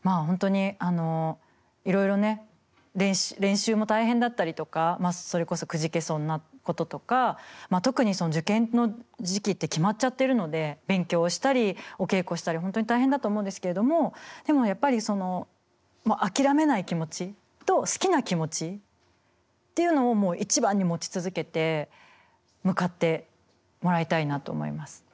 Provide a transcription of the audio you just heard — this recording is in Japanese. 本当にいろいろね練習も大変だったりとかまあそれこそくじけそうなこととか特に受験の時期って決まっちゃってるので勉強したりお稽古したり本当に大変だと思うんですけれどもでもやっぱり諦めない気持ちと好きな気持ちっていうのを一番に持ち続けて向かってもらいたいなと思います。